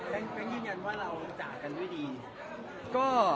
แค่ยืนยันว่าเราจ่ากันด้วยดี